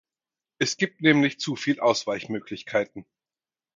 Es gibt nämlich zu viel Ausweichmöglichkeiten.